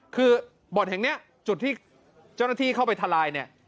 คือบ่อนแห่งนี้จุดที่เจ้าหน้าที่เข้าไปทลายเนี่ย